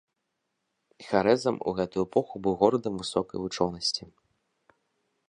Харэзм у гэту эпоху быў горадам высокай вучонасці.